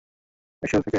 ওরা কি একসাথে থাকে?